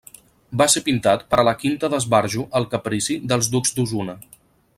Va ser pintat per a la quinta d'esbarjo El Caprici dels Ducs d'Osuna.